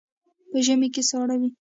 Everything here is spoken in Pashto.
په ژمي کې ساړه وي.